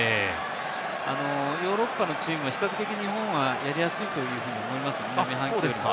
ヨーロッパのチームは比較的、日本はやりやすいと思います。